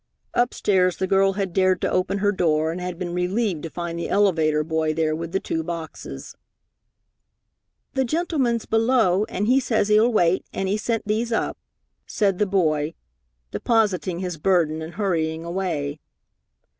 Upstairs the girl had dared to open her door and had been relieved to find the elevator boy there with the two boxes. "The gentleman's below, an' he says he'll wait, an' he sent these up," said the boy, depositing his burden and hurrying away.